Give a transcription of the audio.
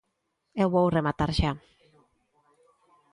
Eu vou rematar xa.